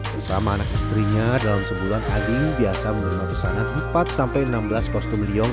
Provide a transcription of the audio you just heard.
bersama anak istrinya dalam sebulan adi biasa menerima pesanan empat sampai enam belas kostum liong